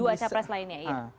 dua capres lainnya ya